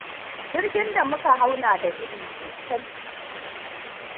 Jirgin da muka hau na da gudu sosai.